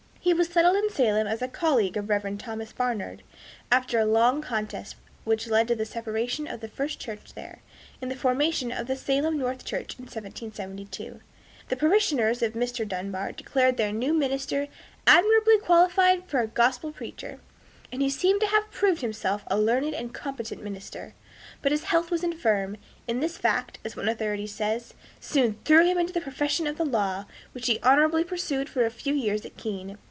He was settled in Salem as the colleague of Rev. Thomas Barnard, after a long contest which led to the separation of the First Church there, and the formation of the Salem North Church in 1772. The parishioners of Mr. Dunbar declared their new minister "admirably qualified for a gospel preacher," and he seems to have proved himself a learned and competent minister. But his health was infirm, and this fact, as one authority says, "soon threw him into the profession of the law, which he honorably pursued for a few years at Keene."